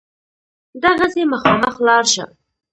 دغسې مخامخ لاړ شه.